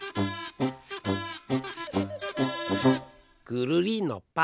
くるりんのぱ！